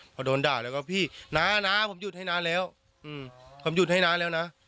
พอโดนด่าแล้วก็พี่น้าน้าผมหยุดให้น้าแล้วผมหยุดให้น้าแล้วนะ